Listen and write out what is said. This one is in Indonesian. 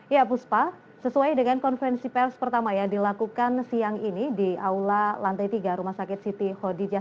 ya puspa sesuai dengan konferensi pers pertama yang dilakukan siang ini di aula lantai tiga rumah sakit siti hodijah